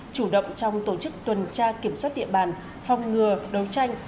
chủ động trong tổ chức tuần tra kiểm soát địa bàn phòng ngừa đấu tranh